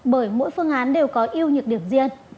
bởi mỗi phương án đều có yêu nhược điểm riêng